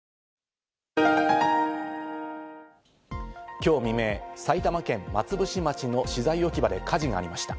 今日未明、埼玉県松伏町の資材置き場で火事がありました。